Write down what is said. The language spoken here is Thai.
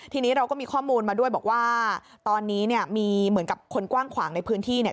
ทีนี้เราก็มีข้อมูลมาด้วยบอกว่าตอนนี้เนี่ยมีเหมือนกับคนกว้างขวางในพื้นที่เนี่ย